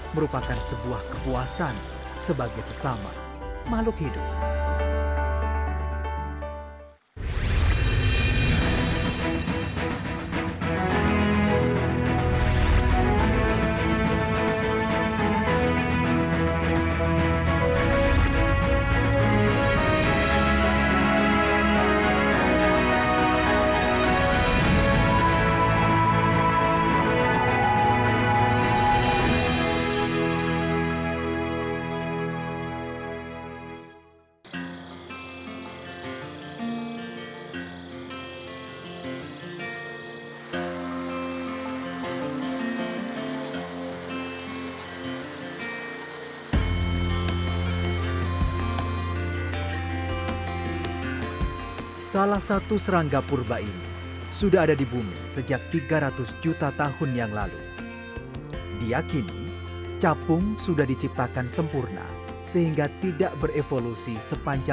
merupakan sebuah kepuasan sebagai sesama makhluk hidup